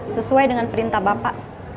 sesuai dengan perintah bapak